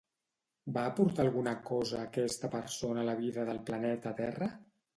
Va aportar alguna cosa aquesta persona a la vida del Planeta Terra?